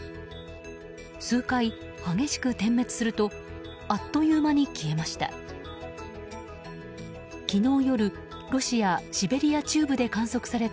数回激しく点滅するとあっという間に消えました。